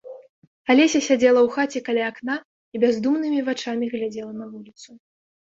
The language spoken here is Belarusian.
Алеся сядзела ў хаце каля акна і бяздумнымі вачамі глядзела на вуліцу.